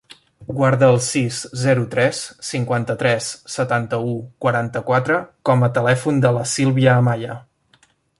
Guarda el sis, zero, tres, cinquanta-tres, setanta-u, quaranta-quatre com a telèfon de la Sílvia Amaya.